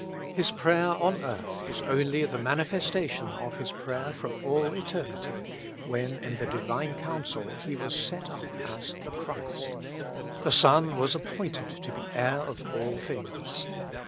His prayer on earth is only the manifestation of His prayer from all eternity, when in the Divine counsel He was set up as the Christ. ... The Son was appointed to be heir of all things.